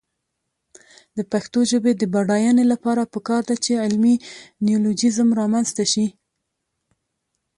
د پښتو ژبې د بډاینې لپاره پکار ده چې علمي نیولوجېزم رامنځته شي.